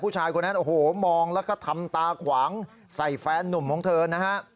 ผู้ชายคนนั้นโอ้โหมองแล้วก็ทำตาขวางใส่แฟนนุ่มของเธอนะฮะ